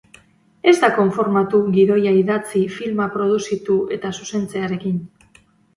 Ez da konformatu gidoia idatzi, filma produzitu eta zuzentzearekin.